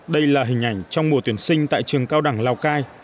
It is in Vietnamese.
đây là hình ảnh trong mùa tuyển sinh tại trường cao đẳng lào cai